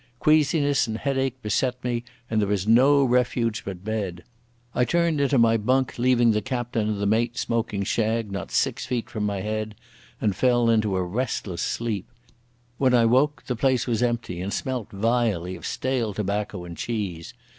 Queasiness and headache beset me and there is no refuge but bed. I turned into my bunk, leaving the captain and the mate smoking shag not six feet from my head, and fell into a restless sleep. When I woke the place was empty, and smelt vilely of stale tobacco and cheese.